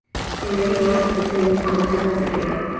En el Rally Bosch de ese año se produce otra tragedia.